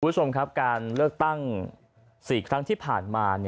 คุณผู้ชมครับการเลือกตั้ง๔ครั้งที่ผ่านมา